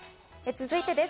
続いてです。